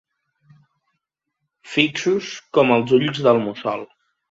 Fixos com els ulls del mussol.